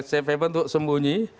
safe haven untuk sembunyi